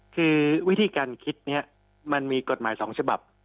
คือวิธีการคิดนี้มันมีกฎหมาย๒ฉบับ